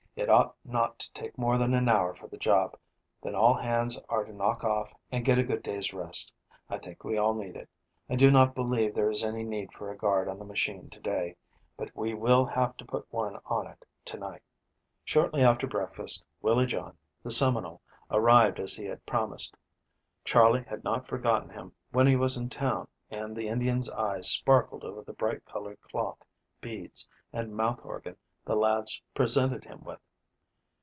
It ought not to take more than an hour for the job, then all hands are to knock off and get a good day's rest. I think we all need it. I do not believe there is any need for a guard on the machine to day, but we will have to put one on it to night." Shortly after breakfast, Willie John, the Seminole, arrived as he had promised. Charley had not forgotten him when he was in town and the Indian's eyes sparkled over the bright colored cloth, beads, and mouth organ the lads presented him with.